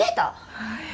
はい。